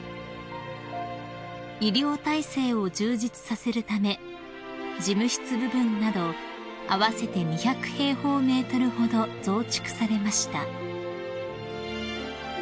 ［医療体制を充実させるため事務室部分など合わせて２００平方ｍほど増築されました］